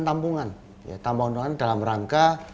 tampungan dalam rangka